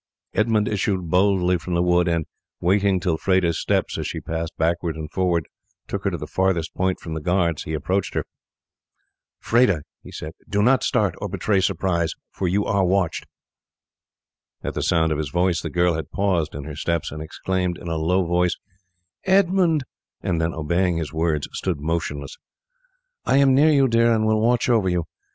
Edmund issued boldly from the wood, and, waiting till Freda's steps, as she passed backwards and forwards, took her to the farthest point from the guards, he approached her. "Freda," he said, "do not start or betray surprise, for you are watched." At the sound of his voice the girl had paused in her steps, and exclaimed in a low voice, "Edmund!" and then, obeying his words, stood motionless. "I am near you, dear, and will watch over you.